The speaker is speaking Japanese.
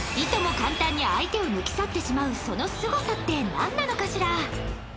簡単に相手を抜き去ってしまうそのすごさって何なのかしら？